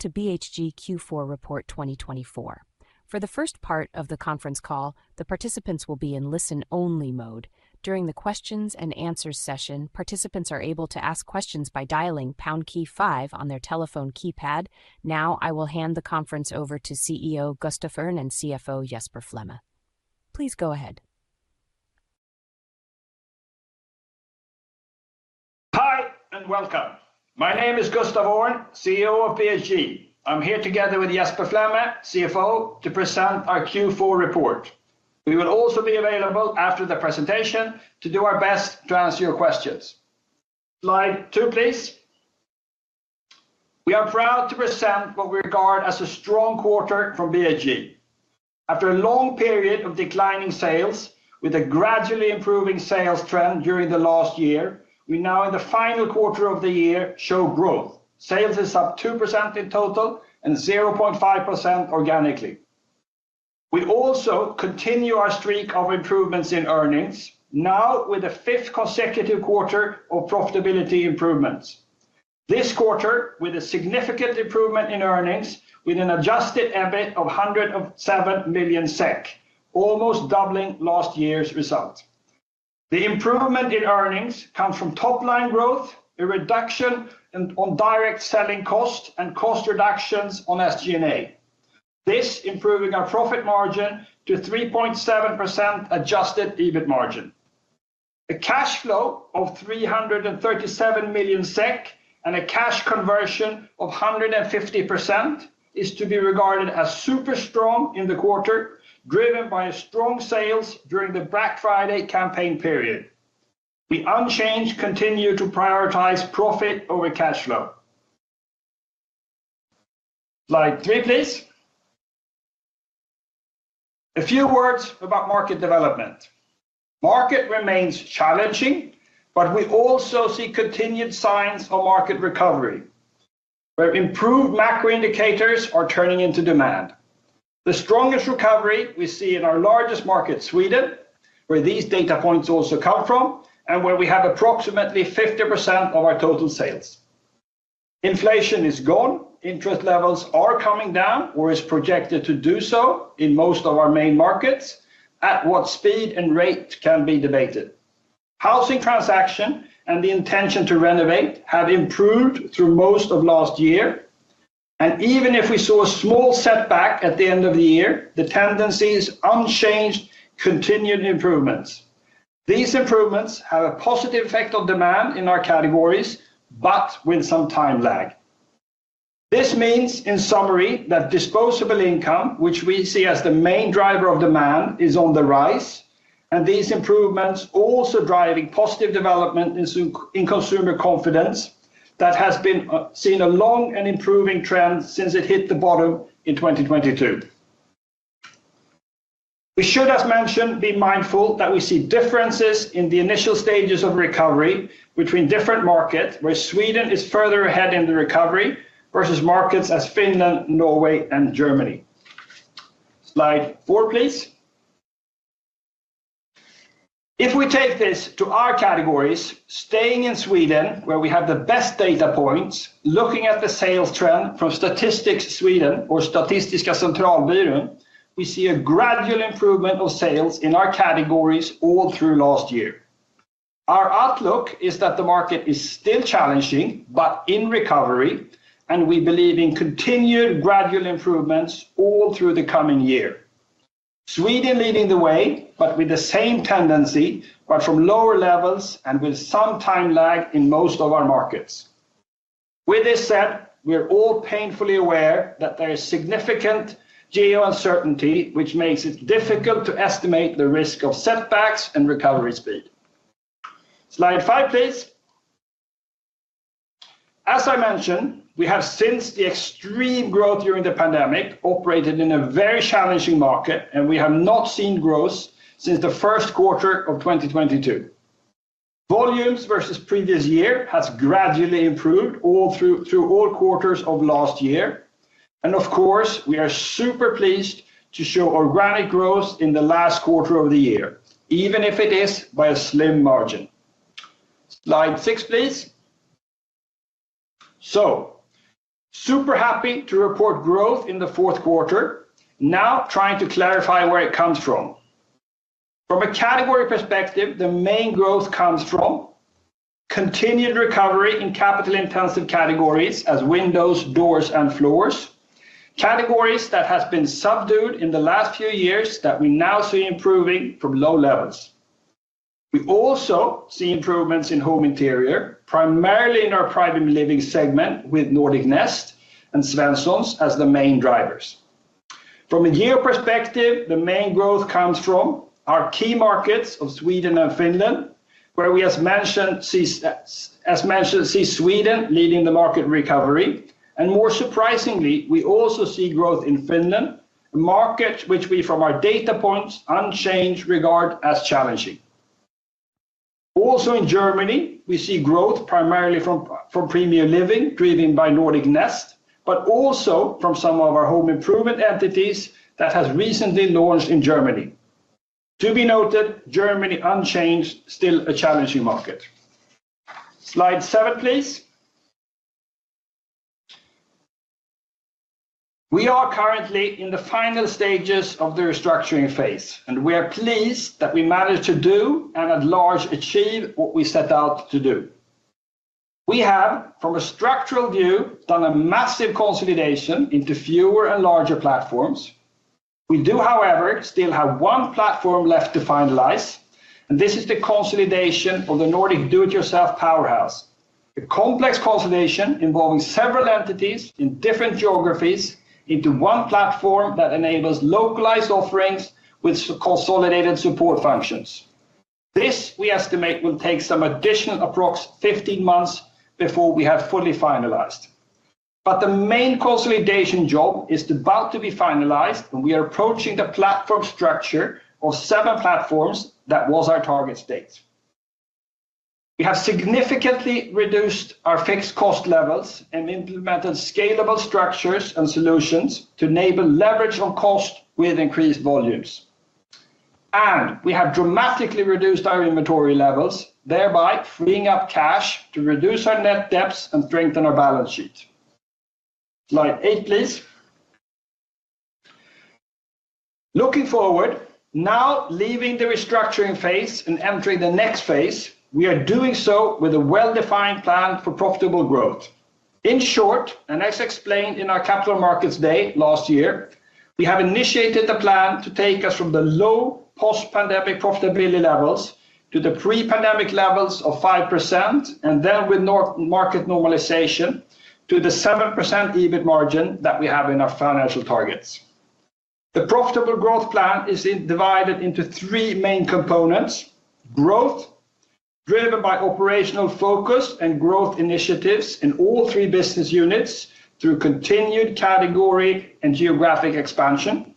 To BHG Q4 Report 2024. For the first part of the conference call, the participants will be in listen-only mode. During the Q&A session, participants are able to ask questions by dialing #5 on their telephone keypad. Now, I will hand the conference over to CEO Gustaf Öhrn and CFO Jesper Flemme. Please go ahead. Hi and welcome. My name is Gustaf Öhrn, CEO of BHG. I'm here together with Jesper Flemme, CFO, to present our Q4 report. We will also be available after the presentation to do our best to answer your questions. Slide 2, please. We are proud to present what we regard as a strong quarter from BHG. After a long period of declining sales, with a gradually improving sales trend during the last year, we now, in the final quarter of the year, show growth. Sales are up 2% in total and 0.5% organically. We also continue our streak of improvements in earnings, now with a fifth consecutive quarter of profitability improvements. This quarter, with a significant improvement in earnings, with an adjusted EBIT of 107 million SEK, almost doubling last year's result. The improvement in earnings comes from top-line growth, a reduction on direct selling costs, and cost reductions on SG&A. This improves our profit margin to 3.7% adjusted EBIT margin. A cash flow of 337 million SEK and a cash conversion of 150% is to be regarded as super strong in the quarter, driven by strong sales during the Black Friday campaign period. We unchanged continue to prioritize profit over cash flow. Slide 3, please. A few words about market development. Market remains challenging, but we also see continued signs of market recovery, where improved macro indicators are turning into demand. The strongest recovery we see in our largest market, Sweden, where these data points also come from, and where we have approximately 50% of our total sales. Inflation is gone. Interest levels are coming down, or is projected to do so, in most of our main markets, at what speed and rate can be debated. Housing transactions and the intention to renovate have improved through most of last year, and even if we saw a small setback at the end of the year, the tendency is unchanged: continued improvements. These improvements have a positive effect on demand in our categories, but with some time lag. This means, in summary, that disposable income, which we see as the main driver of demand, is on the rise, and these improvements also drive positive development in consumer confidence that has seen a long and improving trend since it hit the bottom in 2022. We should, as mentioned, be mindful that we see differences in the initial stages of recovery between different markets, where Sweden is further ahead in the recovery versus markets as Finland, Norway, and Germany. Slide 4, please. If we take this to our categories, staying in Sweden, where we have the best data points, looking at the sales trend from Statistics Sweden, or Statistiska Centralbyrån, we see a gradual improvement of sales in our categories all through last year. Our outlook is that the market is still challenging, but in recovery, and we believe in continued gradual improvements all through the coming year. Sweden leading the way, but with the same tendency, but from lower levels, and with some time lag in most of our markets. With this said, we are all painfully aware that there is significant geopolitical uncertainty, which makes it difficult to estimate the risk of setbacks and recovery speed. Slide 5, please. As I mentioned, we have since the extreme growth during the pandemic operated in a very challenging market, and we have not seen growth since the first quarter of 2022. Volumes versus previous year have gradually improved through all quarters of last year, and of course, we are super pleased to show organic growth in the last quarter of the year, even if it is by a slim margin. Slide 6, please. So, super happy to report growth in the fourth quarter, now trying to clarify where it comes from. From a category perspective, the main growth comes from continued recovery in capital-intensive categories as windows, doors, and floors, categories that have been subdued in the last few years that we now see improving from low levels. We also see improvements in home interior, primarily in our Premium Living segment with Nordic Nest and Svenssons as the main drivers. From a geo perspective, the main growth comes from our key markets of Sweden and Finland, where we, as mentioned, see Sweden leading the market recovery. More surprisingly, we also see growth in Finland, a market which we, from our data points, unchanged, regard as challenging. Also in Germany, we see growth primarily from Premium Living driven by Nordic Nest, but also from some of our Home Improvement entities that have recently launched in Germany. To be noted, Germany, unchanged, still a challenging market. Slide 7, please. We are currently in the final stages of the restructuring phase, and we are pleased that we managed to do, by and large, achieve what we set out to do. We have, from a structural view, done a massive consolidation into fewer and larger platforms. We do, however, still have one platform left to finalize, and this is the consolidation of the Nordic do-it-yourself powerhouse, a complex consolidation involving several entities in different geographies into one platform that enables localized offerings with consolidated support functions. This, we estimate, will take some additional approximately 15 months before we have fully finalized, but the main consolidation job is about to be finalized, and we are approaching the platform structure of seven platforms that was our target state. We have significantly reduced our fixed cost levels and implemented scalable structures and solutions to enable leverage on cost with increased volumes. We have dramatically reduced our inventory levels, thereby freeing up cash to reduce our net debts and strengthen our balance sheet. Slide 8, please. Looking forward, now leaving the restructuring phase and entering the next phase, we are doing so with a well-defined plan for profitable growth. In short, and as explained in our Capital Markets Day last year, we have initiated the plan to take us from the low post-pandemic profitability levels to the pre-pandemic levels of 5%, and then with market normalization to the 7% EBIT margin that we have in our financial targets. The profitable growth plan is divided into three main components: growth, driven by operational focus and growth initiatives in all three business units through continued category and geographic expansion.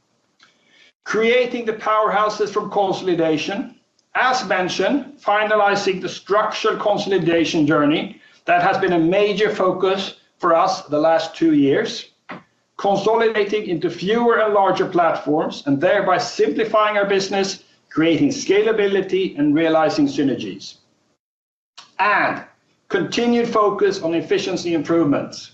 Creating the powerhouses from consolidation, as mentioned, finalizing the structural consolidation journey that has been a major focus for us the last two years. Consolidating into fewer and larger platforms, and thereby simplifying our business, creating scalability, and realizing synergies, and continued focus on efficiency improvements,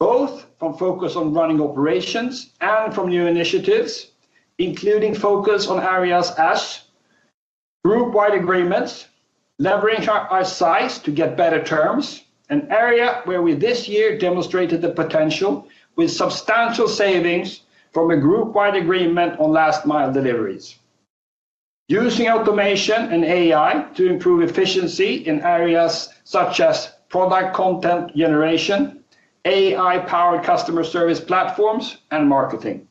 both from focus on running operations and from new initiatives, including focus on areas as group-wide agreements, leveraging our size to get better terms, an area where we this year demonstrated the potential with substantial savings from a group-wide agreement on last-mile deliveries. Using automation and AI to improve efficiency in areas such as product content generation, AI-powered customer service platforms, and marketing,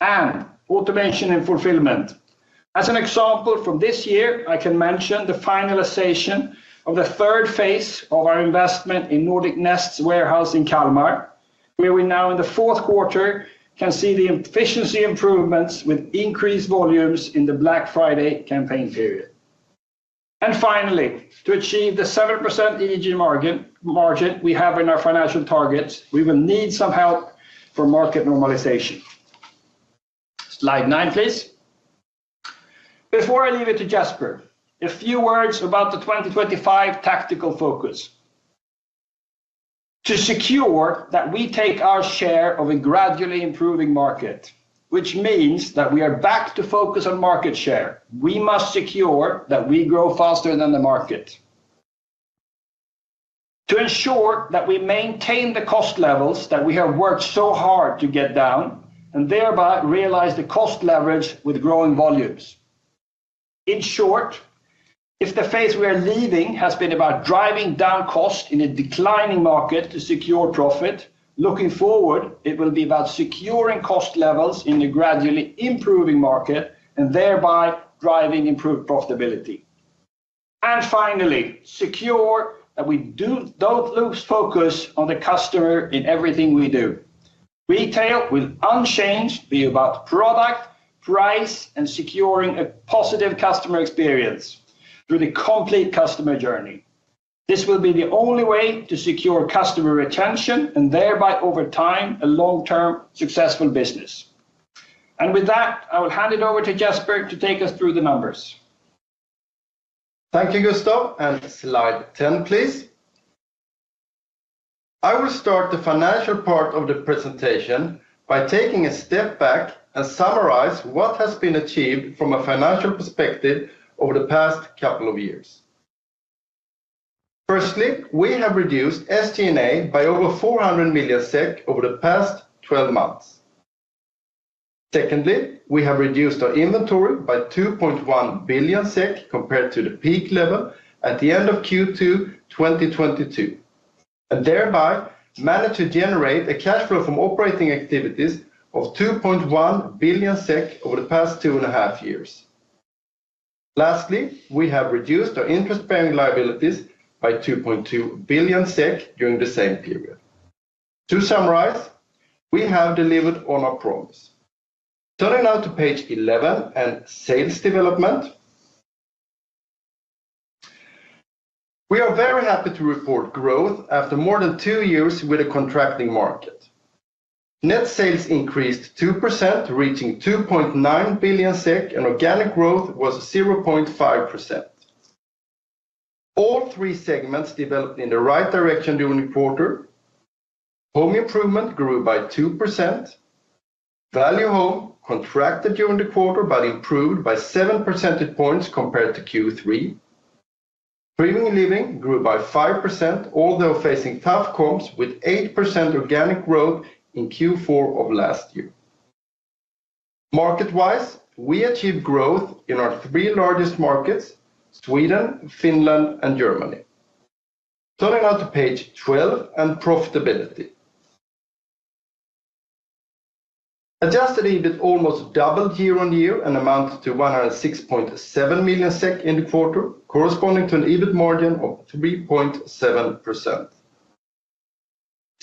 and automation and fulfillment. As an example from this year, I can mention the finalization of the third phase of our investment in Nordic Nest's warehouse in Kalmar, where we now, in the fourth quarter, can see the efficiency improvements with increased volumes in the Black Friday campaign period, and finally, to achieve the 7% EBIT margin we have in our financial targets, we will need some help from market normalization. Slide 9, please. Before I leave it to Jesper, a few words about the 2025 tactical focus. To secure that we take our share of a gradually improving market, which means that we are back to focus on market share, we must secure that we grow faster than the market. To ensure that we maintain the cost levels that we have worked so hard to get down, and thereby realize the cost leverage with growing volumes. In short, if the phase we are leaving has been about driving down cost in a declining market to secure profit, looking forward, it will be about securing cost levels in a gradually improving market, and thereby driving improved profitability, and finally, secure that we don't lose focus on the customer in everything we do. Retail will unchanged be about product, price, and securing a positive customer experience through the complete customer journey. This will be the only way to secure customer retention, and thereby, over time, a long-term successful business, and with that, I will hand it over to Jesper to take us through the numbers. Thank you, Gustaf. And slide 10, please. I will start the financial part of the presentation by taking a step back and summarize what has been achieved from a financial perspective over the past couple of years. Firstly, we have reduced SG&A by over 400 million SEK over the past 12 months. Secondly, we have reduced our inventory by 2.1 billion SEK compared to the peak level at the end of Q2 2022, and thereby managed to generate a cash flow from operating activities of 2.1 billion SEK over the past two and a half years. Lastly, we have reduced our interest-bearing liabilities by 2.2 billion SEK during the same period. To summarize, we have delivered on our promise. Turning now to page 11 and sales development. We are very happy to report growth after more than two years with a contracting market. Net sales increased 2%, reaching 2.9 billion SEK, and organic growth was 0.5%. All three segments developed in the right direction during the quarter. Home Improvement grew by 2%. Value Home contracted during the quarter, but improved by 7 percentage points compared to Q3. Premium Living grew by 5%, although facing tough comps with 8% organic growth in Q4 of last year. Market-wise, we achieved growth in our three largest markets: Sweden, Finland, and Germany. Turning now to page 12 and profitability. Adjusted EBIT almost doubled year on year and amounted to 106.7 million SEK in the quarter, corresponding to an EBIT margin of 3.7%.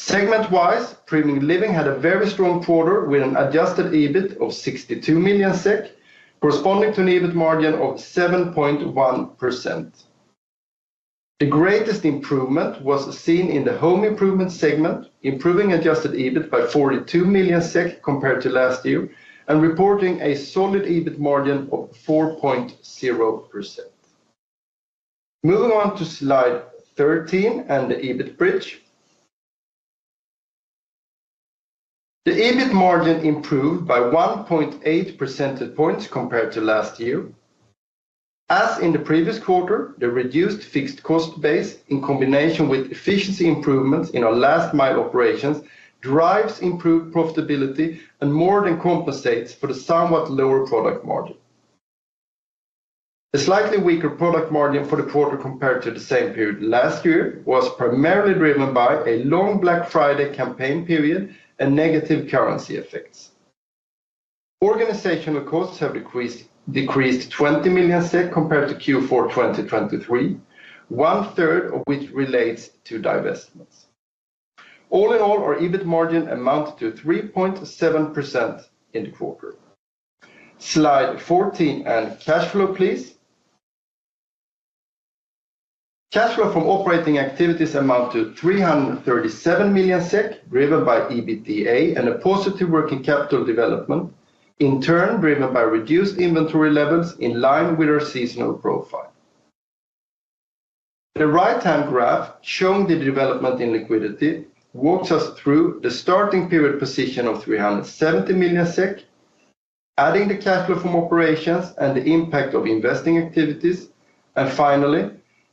Segment-wise, Premium Living had a very strong quarter with an adjusted EBIT of 62 million SEK, corresponding to an EBIT margin of 7.1%. The greatest improvement was seen in the Home Improvement segment, improving Adjusted EBIT by 42 million SEK compared to last year and reporting a solid EBIT margin of 4.0%. Moving on to slide 13 and the EBIT bridge. The EBIT margin improved by 1.8 percentage points compared to last year. As in the previous quarter, the reduced fixed cost base in combination with efficiency improvements in our last-mile operations drives improved profitability and more than compensates for the somewhat lower product margin. The slightly weaker product margin for the quarter compared to the same period last year was primarily driven by a long Black Friday campaign period and negative currency effects. Organizational costs have decreased 20 million SEK compared to Q4 2023, one-third of which relates to divestments. All in all, our EBIT margin amounted to 3.7% in the quarter. Slide 14 and cash flow, please. Cash flow from operating activities amounted to 337 million SEK, driven by EBITDA and a positive working capital development, in turn driven by reduced inventory levels in line with our seasonal profile. The right-hand graph showing the development in liquidity walks us through the starting period position of 370 million SEK, adding the cash flow from operations and the impact of investing activities, and finally,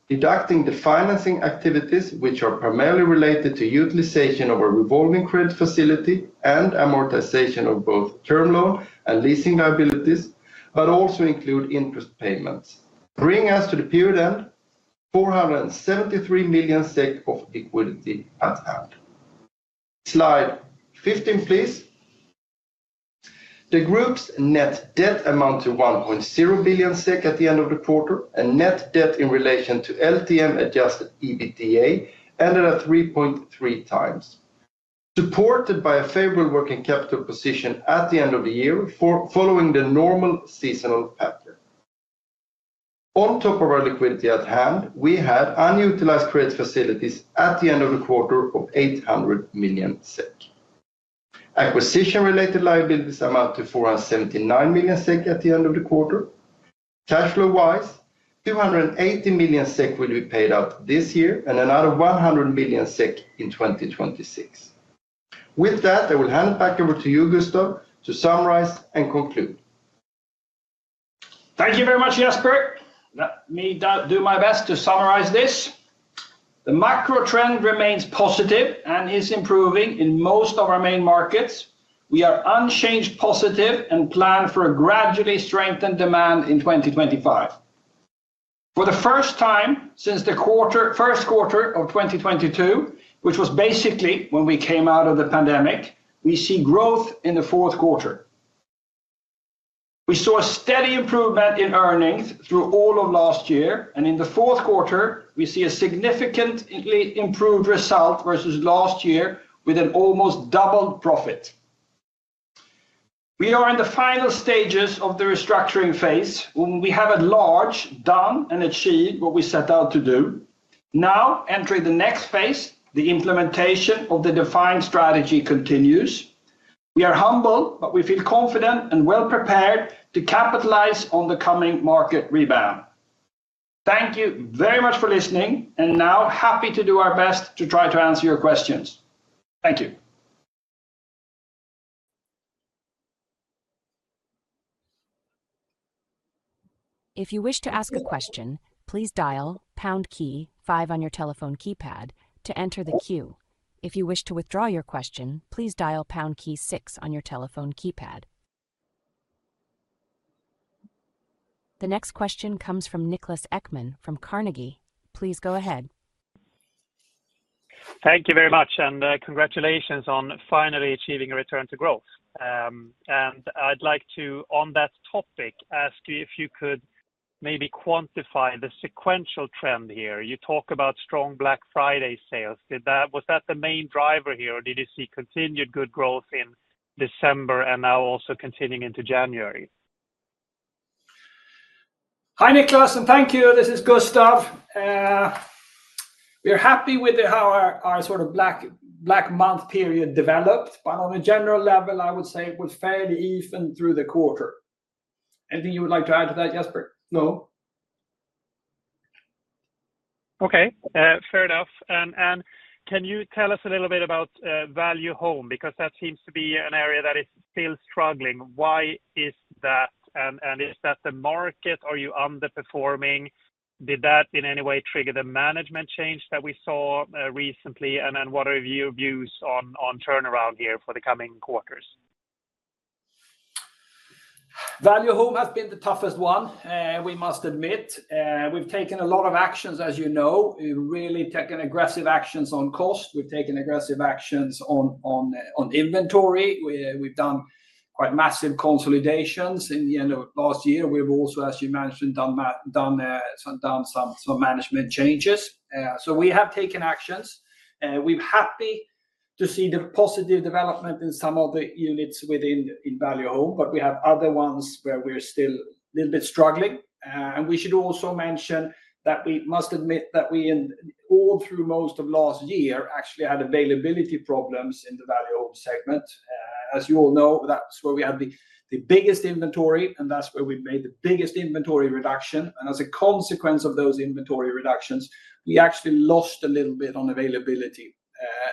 deducting the financing activities, which are primarily related to utilization of a revolving credit facility and amortization of both term loan and leasing liabilities, but also include interest payments, bringing us to the period end, 473 million SEK of liquidity at hand. Slide 15, please. The group's net debt amounted to 1.0 billion SEK at the end of the quarter, and net debt in relation to LTM adjusted EBITDA ended at 3.3 times, supported by a favorable working capital position at the end of the year following the normal seasonal pattern. On top of our liquidity at hand, we had unutilized credit facilities at the end of the quarter of 800 million SEK. Acquisition-related liabilities amounted to 479 million SEK at the end of the quarter. Cash flow-wise, 280 million SEK will be paid out this year and another 100 million SEK in 2026. With that, I will hand it back over to you, Gustaf, to summarize and conclude. Thank you very much, Jesper. Let me do my best to summarize this. The macro trend remains positive and is improving in most of our main markets. We are unchanged positive and plan for a gradually strengthened demand in 2025. For the first time since the first quarter of 2022, which was basically when we came out of the pandemic, we see growth in the fourth quarter. We saw a steady improvement in earnings through all of last year, and in the fourth quarter, we see a significantly improved result versus last year with an almost doubled profit. We are in the final stages of the restructuring phase when we have largely done and achieved what we set out to do. Now, entering the next phase, the implementation of the defined strategy continues. We are humble, but we feel confident and well-prepared to capitalize on the coming market rebound. Thank you very much for listening, and now we're happy to do our best to try to answer your questions. Thank you. If you wish to ask a question, please dial pound key 5 on your telephone keypad to enter the queue. If you wish to withdraw your question, please dial pound key 6 on your telephone keypad. The next question comes from Niklas Ekman from Carnegie. Please go ahead. Thank you very much, and congratulations on finally achieving a return to growth, and I'd like to, on that topic, ask you if you could maybe quantify the sequential trend here. You talk about strong Black Friday sales. Was that the main driver here, or did you see continued good growth in December and now also continuing into January? Hi, Niklas, and thank you. This is Gustaf. We are happy with how our sort of Black month period developed, but on a general level, I would say it was fairly even through the quarter. Anything you would like to add to that, Jesper? No? Okay, fair enough. And can you tell us a little bit about Value Home? Because that seems to be an area that is still struggling. Why is that? And is that the market? Are you underperforming? Did that in any way trigger the management change that we saw recently? And then what are your views on turnaround here for the coming quarters? Value Home has been the toughest one, we must admit. We've taken a lot of actions, as you know. We've really taken aggressive actions on cost. We've taken aggressive actions on inventory. We've done quite massive consolidations in the end of last year. We've also, as you mentioned, done some management changes. So we have taken actions. We're happy to see the positive development in some of the units within Value Home, but we have other ones where we're still a little bit struggling. And we should also mention that we must admit that we all through most of last year actually had availability problems in the Value Home segment. As you all know, that's where we had the biggest inventory, and that's where we made the biggest inventory reduction. And as a consequence of those inventory reductions, we actually lost a little bit on availability.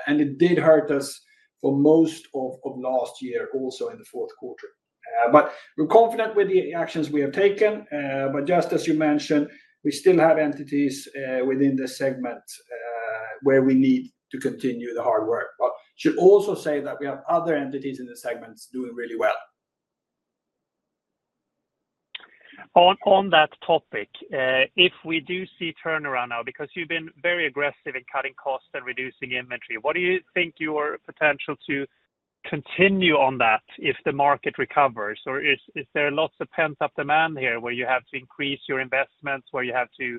It did hurt us for most of last year also in the fourth quarter. We're confident with the actions we have taken. Just as you mentioned, we still have entities within the segment where we need to continue the hard work. I should also say that we have other entities in the segment doing really well. On that topic, if we do see turnaround now, because you've been very aggressive in cutting costs and reducing inventory, what do you think your potential to continue on that if the market recovers? Or is there lots of pent-up demand here where you have to increase your investments, where you have to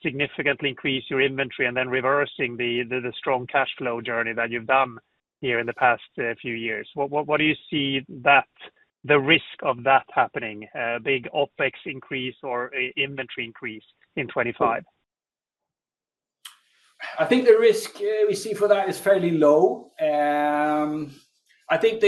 significantly increase your inventory, and then reversing the strong cash flow journey that you've done here in the past few years? What do you see the risk of that happening, a big OpEx increase or inventory increase in 2025? I think the risk we see for that is fairly low. I think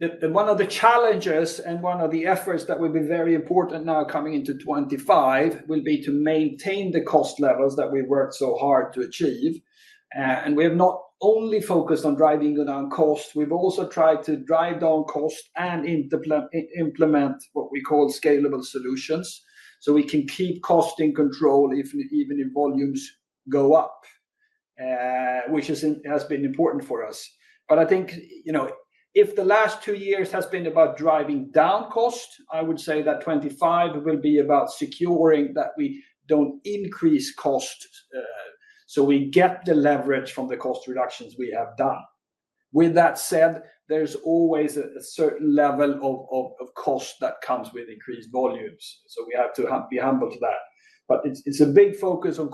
one of the challenges and one of the efforts that will be very important now coming into 2025 will be to maintain the cost levels that we worked so hard to achieve, and we have not only focused on driving down cost, we've also tried to drive down cost and implement what we call scalable solutions so we can keep cost in control even if volumes go up, which has been important for us, but I think if the last two years has been about driving down cost, I would say that 2025 will be about securing that we don't increase cost so we get the leverage from the cost reductions we have done. With that said, there's always a certain level of cost that comes with increased volumes, so we have to be humble to that. But it's a big focus on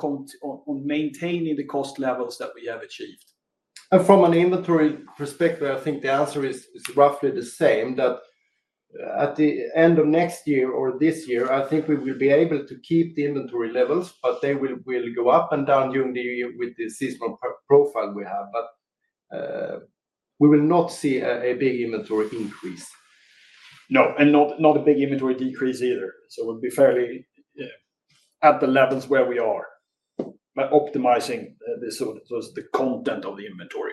maintaining the cost levels that we have achieved. And from an inventory perspective, I think the answer is roughly the same, that at the end of next year or this year, I think we will be able to keep the inventory levels, but they will go up and down during the year with the seasonal profile we have. But we will not see a big inventory increase. No, and not a big inventory decrease either. So we'll be fairly at the levels where we are by optimizing the content of the inventory.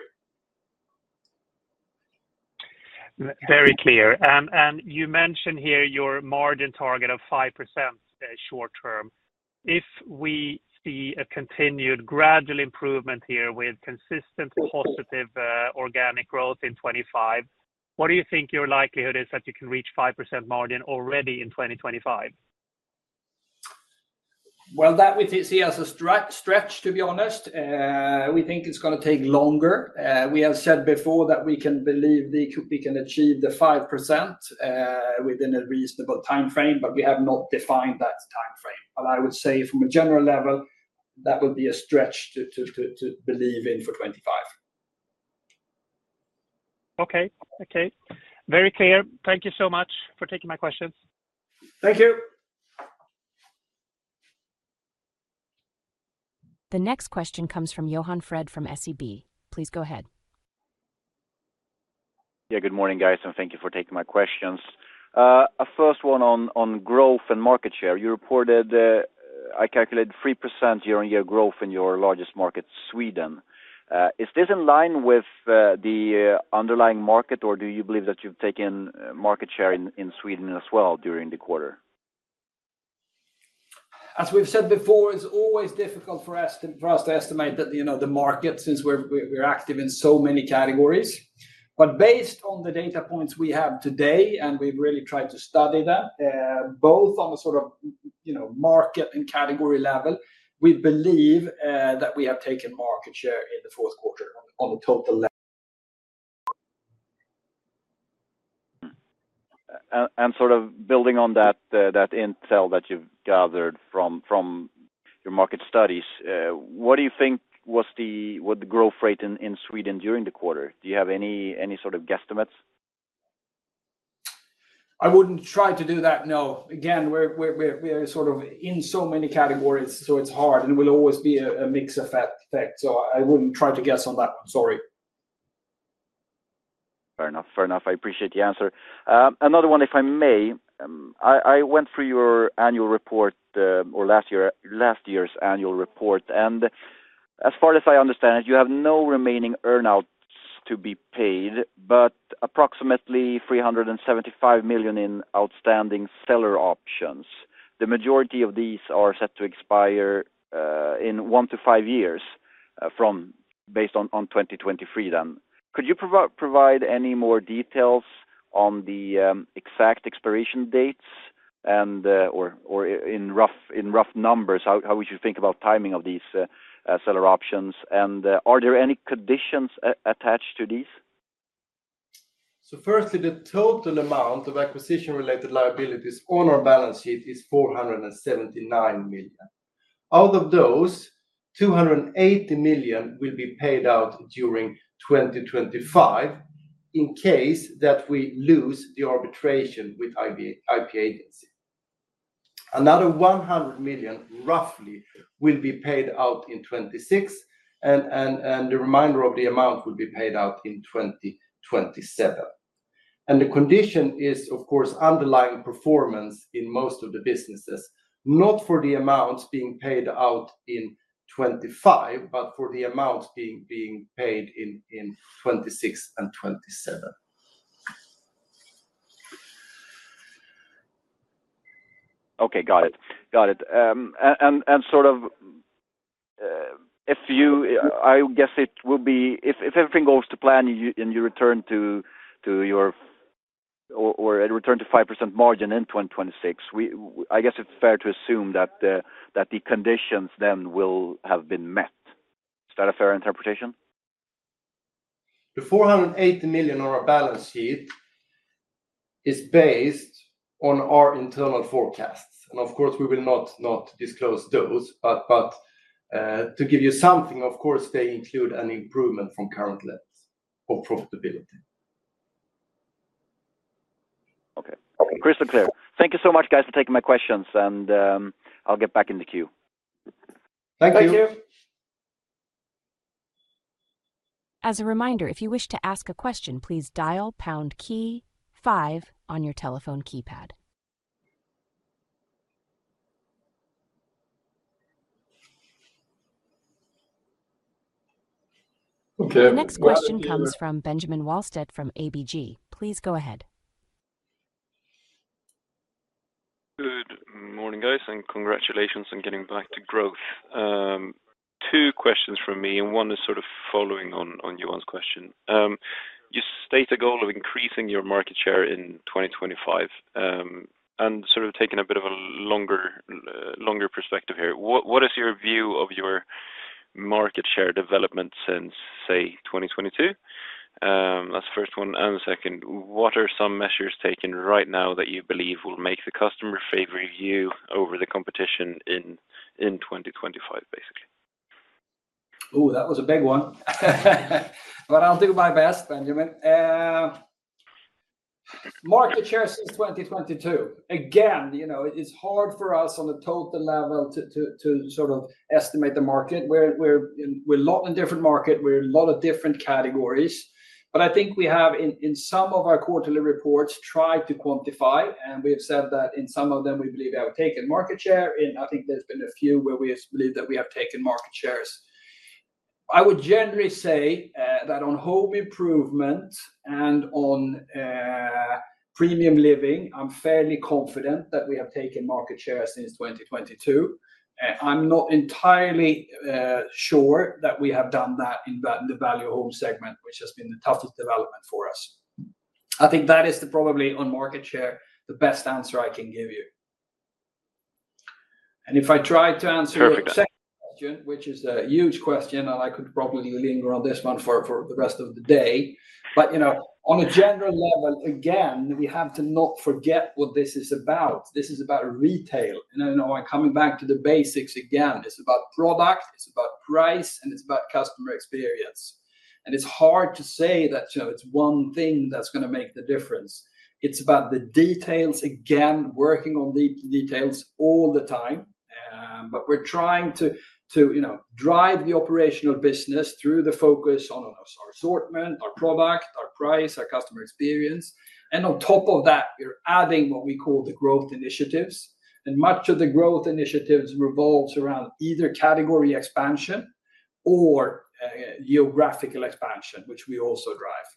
Very clear, and you mentioned here your margin target of 5% short term. If we see a continued gradual improvement here with consistent positive organic growth in 2025, what do you think your likelihood is that you can reach 5% margin already in 2025? That we see as a stretch, to be honest. We think it's going to take longer. We have said before that we believe we can achieve the 5% within a reasonable time frame, but we have not defined that time frame. I would say from a general level, that would be a stretch to believe in for 2025. Okay, okay. Very clear. Thank you so much for taking my questions. Thank you. The next question comes from Johan Fred from SEB. Please go ahead. Yeah, good morning, guys, and thank you for taking my questions. A first one on growth and market share. You reported, I calculated, 3% year-on-year growth in your largest market, Sweden. Is this in line with the underlying market, or do you believe that you've taken market share in Sweden as well during the quarter? As we've said before, it's always difficult for us to estimate the market since we're active in so many categories. But based on the data points we have today, and we've really tried to study that, both on the sort of market and category level, we believe that we have taken market share in the fourth quarter on the total. And sort of building on that intel that you've gathered from your market studies, what do you think was the growth rate in Sweden during the quarter? Do you have any sort of guesstimates? I wouldn't try to do that, no. Again, we're sort of in so many categories, so it's hard, and it will always be a mixed effect. So I wouldn't try to guess on that one, sorry. Fair enough, fair enough. I appreciate the answer. Another one, if I may. I went through your annual report or last year's annual report, and as far as I understand it, you have no remaining earnouts to be paid, but approximately 375 million in outstanding seller options. The majority of these are set to expire in one-to-five years based on 2023 then. Could you provide any more details on the exact expiration dates or in rough numbers? How would you think about timing of these seller options, and are there any conditions attached to these? Firstly, the total amount of acquisition-related liabilities on our balance sheet is 479 million. Out of those, 280 million will be paid out during 2025 in case that we lose the arbitration with IP-Agency. Another 100 million, roughly, will be paid out in 2026, and the remainder of the amount will be paid out in 2027. The condition is, of course, underlying performance in most of the businesses, not for the amounts being paid out in 2025, but for the amounts being paid in 2026 and 2027. Okay, got it, got it and sort of if you, I guess it will be, if everything goes to plan and you return to your or return to 5% margin in 2026, I guess it's fair to assume that the conditions then will have been met. Is that a fair interpretation? The 480 million on our balance sheet is based on our internal forecasts, and of course, we will not disclose those, but to give you something, of course, they include an improvement from current levels of profitability. Okay. Crystal clear. Thank you so much, guys, for taking my questions, and I'll get back in the queue. Thank you. Thank you. As a reminder, if you wish to ask a question, please dial pound key 5 on your telephone keypad. Okay. The next question comes from Benjamin Wahlstedt from ABG. Please go ahead. Good morning, guys, and congratulations on getting back to growth. Two questions from me, and one is sort of following on Johan's question. You state a goal of increasing your market share in 2025 and sort of taking a bit of a longer perspective here. What is your view of your market share development since, say, 2022? That's the first one. And the second, what are some measures taken right now that you believe will make the customer favor you over the competition in 2025, basically? Oh, that was a big one. But I'll do my best, Benjamin. Market share since 2022. Again, it's hard for us on the total level to sort of estimate the market. We're a lot in different markets. We're a lot of different categories. But I think we have, in some of our quarterly reports, tried to quantify, and we have said that in some of them, we believe we have taken market share. And I think there's been a few where we believe that we have taken market shares. I would generally say that on Home Improvement and on Premium Living, I'm fairly confident that we have taken market share since 2022. I'm not entirely sure that we have done that in the Value Home segment, which has been the toughest development for us. I think that is probably on market share the best answer I can give you. And if I try to answer your second question, which is a huge question, and I could probably linger on this one for the rest of the day. But on a general level, again, we have to not forget what this is about. This is about retail. And I'm coming back to the basics again. It's about product, it's about price, and it's about customer experience. And it's hard to say that it's one thing that's going to make the difference. It's about the details, again, working on the details all the time. But we're trying to drive the operational business through the focus on our assortment, our product, our price, our customer experience. And on top of that, we're adding what we call the growth initiatives. And much of the growth initiatives revolves around either category expansion or geographical expansion, which we also drive.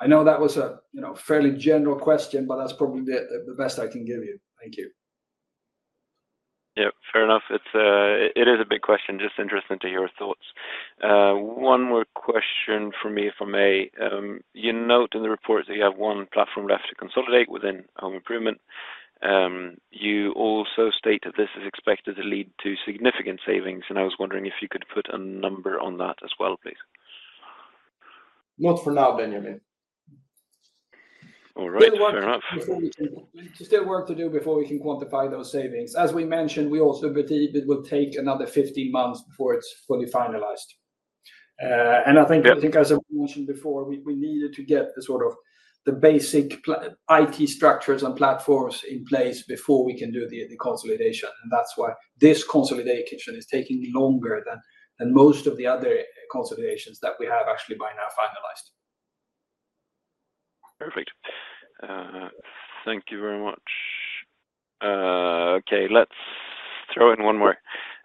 I know that was a fairly general question, but that's probably the best I can give you. Thank you. Yeah, fair enough. It is a big question. Just interested to hear your thoughts. One more question for me from ABG. You note in the report that you have one platform left to consolidate within Home Improvement. You also state that this is expected to lead to significant savings. And I was wondering if you could put a number on that as well, please. Not for now, Benjamin. All right, fair enough. Still work to do before we can quantify those savings. As we mentioned, we also believe it will take another 15 months before it's fully finalized. And I think, as I mentioned before, we needed to get sort of the basic IT structures and platforms in place before we can do the consolidation. And that's why this consolidation is taking longer than most of the other consolidations that we have actually by now finalized. Perfect. Thank you very much. Okay, let's throw in one more.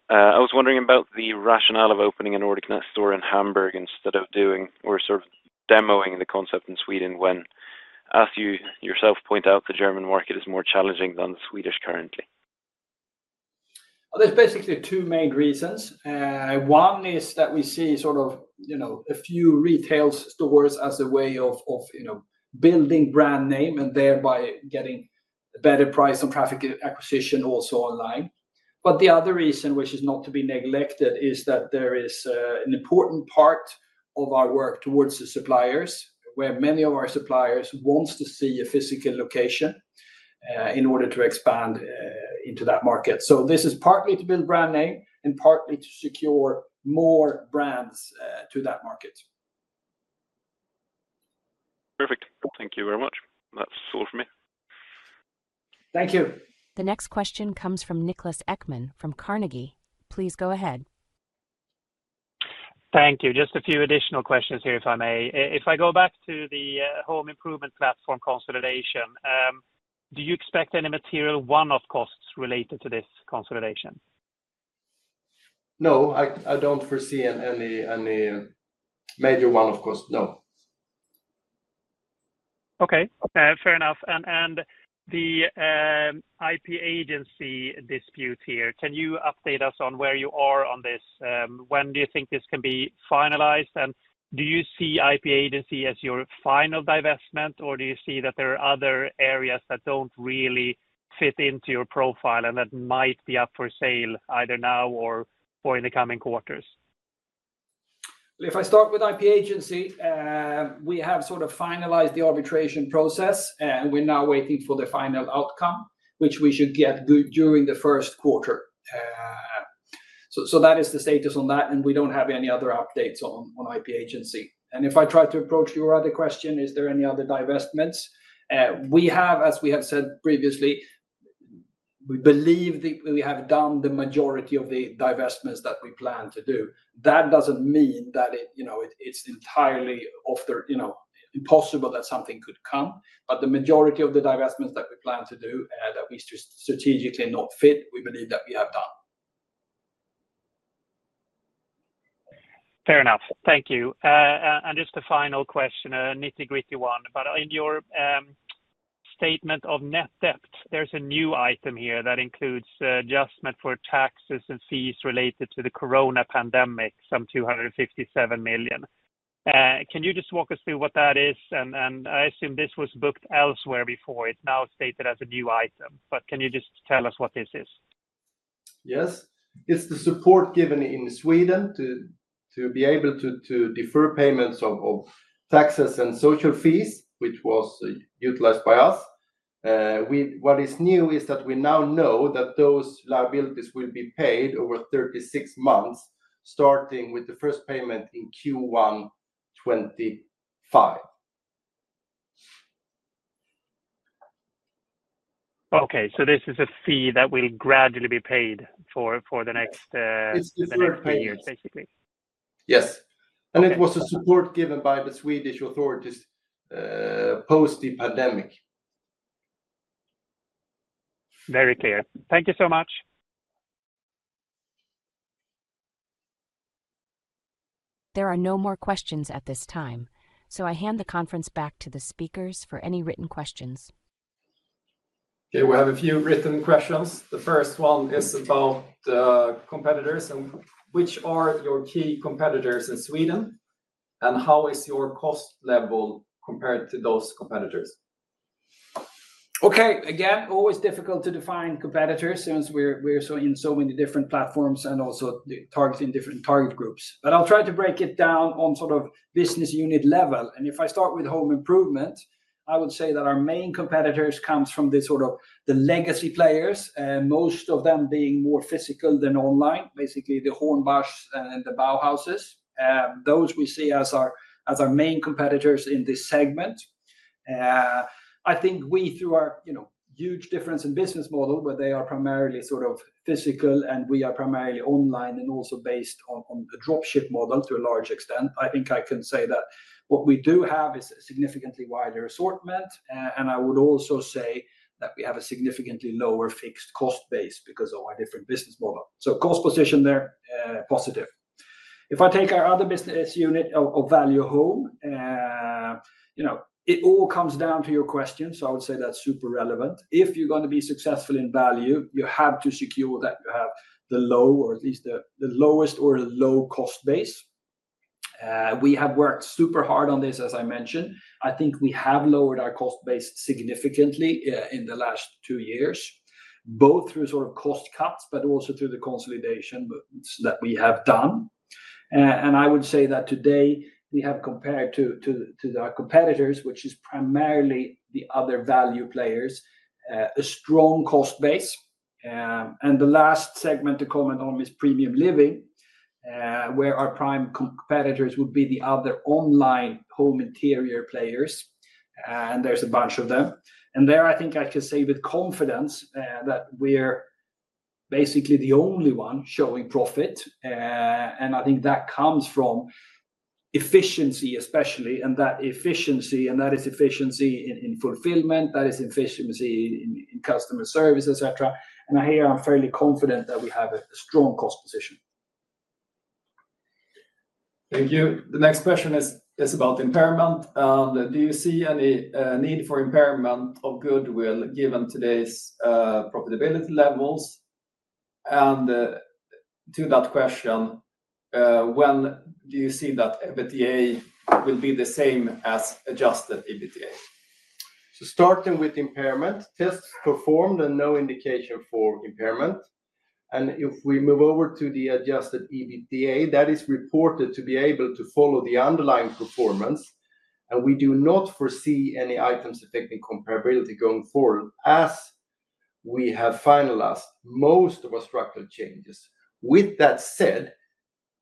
I was wondering about the rationale of opening a Nordic Nest store in Hamburg instead of doing or sort of demoing the concept in Sweden when, as you yourself point out, the German market is more challenging than the Swedish currently. There's basically two main reasons. One is that we see sort of a few retail stores as a way of building brand name and thereby getting a better price on traffic acquisition also online. But the other reason, which is not to be neglected, is that there is an important part of our work towards the suppliers where many of our suppliers want to see a physical location in order to expand into that market. So this is partly to build brand name and partly to secure more brands to that market. Perfect. Thank you very much. That's all from me. Thank you. The next question comes from Niklas Ekman from Carnegie. Please go ahead. Thank you. Just a few additional questions here, if I may. If I go back to the Home Improvement platform consolidation, do you expect any material one-off costs related to this consolidation? No, I don't foresee any major one-off costs, no. Okay, fair enough. And the IP-Agency dispute here, can you update us on where you are on this? When do you think this can be finalized? And do you see IP-Agency as your final divestment, or do you see that there are other areas that don't really fit into your profile and that might be up for sale either now or in the coming quarters? If I start with IP-Agency, we have sort of finalized the arbitration process, and we're now waiting for the final outcome, which we should get during the first quarter. So that is the status on that, and we don't have any other updates on IP-Agency. If I try to approach your other question, is there any other divestments? We have, as we have said previously, we believe that we have done the majority of the divestments that we plan to do. That doesn't mean that it's entirely impossible that something could come. The majority of the divestments that we plan to do that do not strategically fit, we believe that we have done. Fair enough. Thank you. And just a final question, a nitty-gritty one. But in your statement of net debt, there's a new item here that includes adjustment for taxes and fees related to the corona pandemic, some 257 million. Can you just walk us through what that is? And I assume this was booked elsewhere before. It's now stated as a new item. But can you just tell us what this is? Yes. It's the support given in Sweden to be able to defer payments of taxes and social fees, which was utilized by us. What is new is that we now know that those liabilities will be paid over 36 months, starting with the first payment in Q1 2025. Okay, so this is a fee that will gradually be paid for the next three years, basically. Yes, and it was a support given by the Swedish authorities post the pandemic. Very clear. Thank you so much. There are no more questions at this time, so I hand the conference back to the speakers for any written questions. Okay, we have a few written questions. The first one is about competitors. And which are your key competitors in Sweden? And how is your cost level compared to those competitors? Okay, again, always difficult to define competitors since we're in so many different platforms and also targeting different target groups. But I'll try to break it down on sort of business unit level. And if I start with Home Improvement, I would say that our main competitors come from the sort of the legacy players, most of them being more physical than online, basically the Hornbachs and the Bauhauses. Those we see as our main competitors in this segment. I think we, through our huge difference in business model, where they are primarily sort of physical and we are primarily online and also based on a dropship model to a large extent, I think I can say that what we do have is a significantly wider assortment, and I would also say that we have a significantly lower fixed cost base because of our different business model. So cost position there, positive. If I take our other business unit of Value Home, it all comes down to your questions, so I would say that's super relevant. If you're going to be successful in value, you have to secure that you have the low or at least the lowest or low cost base. We have worked super hard on this, as I mentioned. I think we have lowered our cost base significantly in the last two years, both through sort of cost cuts, but also through the consolidation that we have done. And I would say that today, we have, compared to our competitors, which is primarily the other value players, a strong cost base. And the last segment to comment on is Premium Living, where our prime competitors would be the other online home interior players. And there's a bunch of them. And there, I think I can say with confidence that we're basically the only one showing profit. And I think that comes from efficiency, especially, and that efficiency, and that is efficiency in fulfillment, that is efficiency in customer service, etc. And here I'm fairly confident that we have a strong cost position. Thank you. The next question is about impairment. Do you see any need for impairment of goodwill given today's profitability levels? And to that question, when do you see that EBITDA will be the same as adjusted EBITDA? So, starting with impairment: tests performed and no indication for impairment. And if we move over to the adjusted EBITDA, that is reported to be able to follow the underlying performance. And we do not foresee any items affecting comparability going forward as we have finalized most of our structural changes. With that said,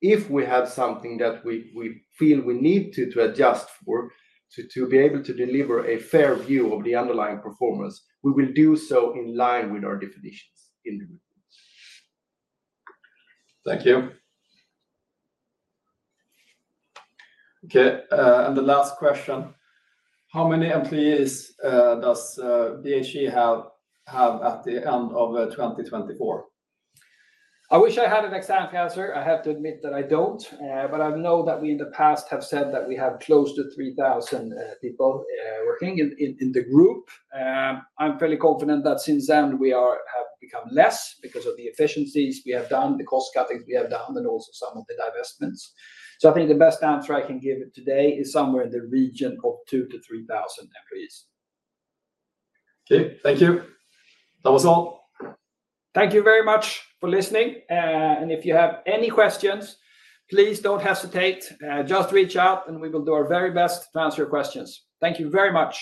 if we have something that we feel we need to adjust for to be able to deliver a fair view of the underlying performance, we will do so in line with our definitions. Thank you. Okay, and the last question. How many employees does BHG have at the end of 2024? I wish I had an exact answer. I have to admit that I don't. But I know that we in the past have said that we have close to 3,000 people working in the group. I'm fairly confident that since then we have become less because of the efficiencies we have done, the cost cuttings we have done, and also some of the divestments. So I think the best answer I can give today is somewhere in the region of 2,000-3,000 employees. Okay, thank you. That was all. Thank you very much for listening. And if you have any questions, please don't hesitate. Just reach out, and we will do our very best to answer your questions. Thank you very much.